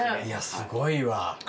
いやすごいわ。